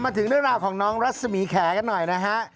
ถึงเรื่องราวของน้องรัศมีแขกันหน่อยนะฮะ